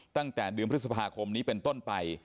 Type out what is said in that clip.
ตั้งแต่เดือนพฤษภาคมนี้เป็นต้นไป